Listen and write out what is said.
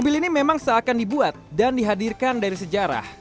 mobil ini memang seakan dibuat dan dihadirkan dari sejarah